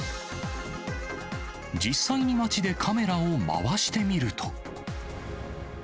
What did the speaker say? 実際に街でカメラを回してみると。